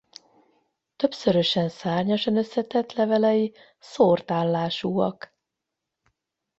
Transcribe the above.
Többszörösen szárnyasan összetett levelei szórt állásúak.